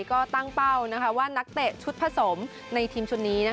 ก็ตั้งเป้าว่านักเตะชุดผสมในทีมชุดนี้